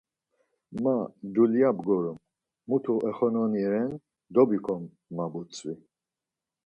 Ma dulya bgorum, mutu oxenoni ren dobikom ma butzvi.